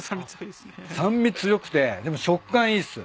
酸味強くてでも食感いいっす。